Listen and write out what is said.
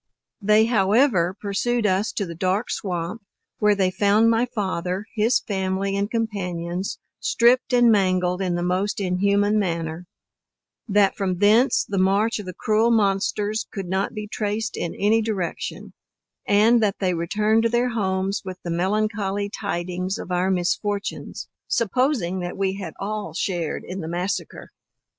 They however pursued us to the dark swamp, where they found my father, his family and companions, stripped and mangled in the most inhuman manner: That from thence the march of the cruel monsters could not be traced in any direction; and that they returned to their homes with the melancholy tidings of our misfortunes, supposing that we had all shared in the massacre.